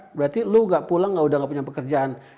berarti lu gak pulang gak punya pekerjaan